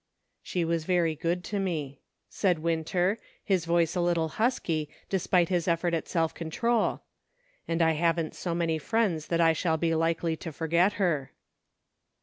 " She was very good to me," said Winter, his voice a little husky, despite his effort at self con trol, " and I haven't so many friends that I shall be likely to forget her."